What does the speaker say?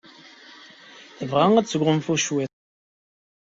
Tebɣa ad tesgunfu cwiṭ.